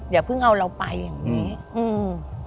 อย่าเพิ่งเอาเราไปอย่างงี้อืม